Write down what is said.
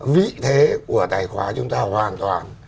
vĩ thế của tài khoá chúng ta hoàn toàn